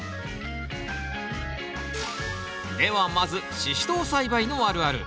ではまずシシトウ栽培のあるある。